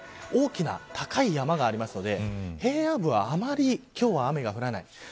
大きな高い山があるので平野部はあまり今日は雨が降らない。